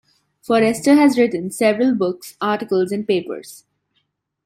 Forrester has written several books, articles and papers.